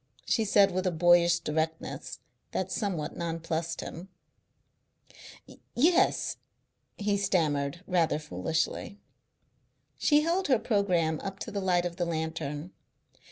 she said with a boyish directness that somewhat nonplussed him. "Yes," he stammered rather foolishly. She held her programme up to the light of the lantern.